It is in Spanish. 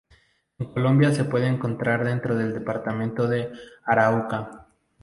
En Colombia se puede encontrar dentro del departamento de Arauca.